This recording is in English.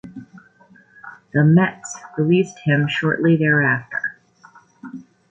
The Mets released him shortly thereafter.